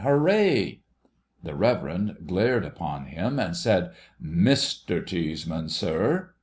Hooray !' The Reverend glared upon him, and said, 'J/r. Cheeseman, sir.'